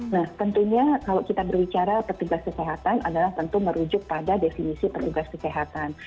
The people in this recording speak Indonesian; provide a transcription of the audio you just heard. nah tentunya kalau kita berbicara petugas kesehatan adalah tentu merujuk pada definisi petugas kesehatan